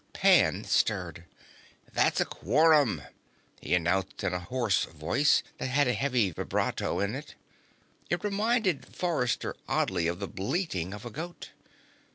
Pan stirred. "That's a quorum," he announced in a hoarse voice that had a heavy vibrato in it. It reminded Forrester, oddly, of the bleating of a goat.